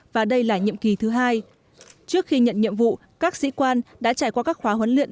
và đây là nhiệm kỳ thứ hai trước khi nhận nhiệm vụ các sĩ quan đã trải qua các khóa huấn luyện